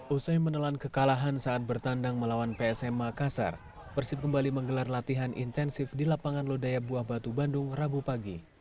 usai menelan kekalahan saat bertandang melawan psm makassar persib kembali menggelar latihan intensif di lapangan lodaya buah batu bandung rabu pagi